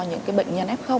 những cái bệnh nhân f